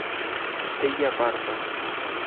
ella parta